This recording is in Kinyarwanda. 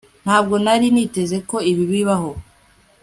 ntabwo nari niteze ko ibi bibaho